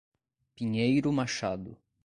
Pinheiro Machado